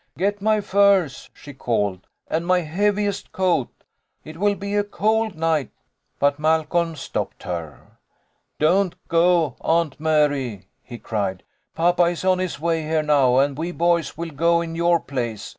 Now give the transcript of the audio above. "Get my furs," she called, "and my heaviest coat. It will be a cold night." But Malcolm stopped her. " Don't go, Aunt Mary," he cried. " Papa is on his way here now, and we boys will go in your place.